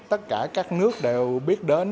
tất cả các nước đều biết đến